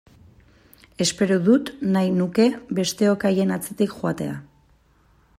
Espero dut, nahi nuke, besteok haien atzetik joatea!